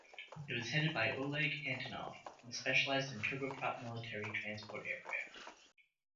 It was headed by Oleg Antonov and specialised in turboprop military transport aircraft.